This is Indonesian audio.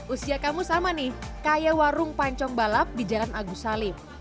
usia kamu sama nih kayak warung pancong balap di jalan agus salim